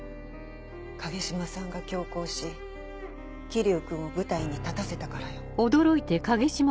影島さんが強行し霧生君を舞台に立たせたからよ。